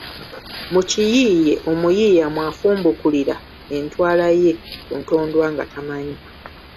Mu kiyiiye omuyiiya mw’afumbukulira entwala ye ku ntondwa nga tamanyi.